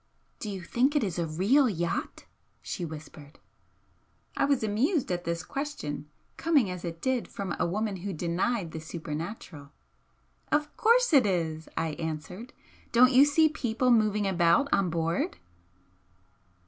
"Do you think it is a REAL yacht?" she whispered. I was amused at this question, coming as it did from a woman who denied the supernatural. "Of course it is!" I answered "Don't you see people moving about on board?"